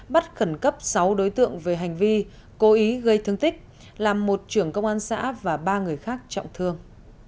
bắt khẩn cấp sáu đối tượng về hành vi cố ý gây thương tích làm một trưởng công an xã và ba người khác trọng thương